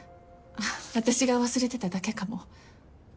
私が忘れてただけかも。